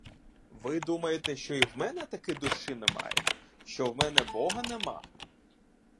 Ви думаєте, що і в мене таки душі немає, що в мене бога нема?